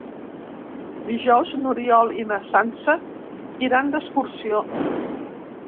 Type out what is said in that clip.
Dijous n'Oriol i na Sança iran d'excursió.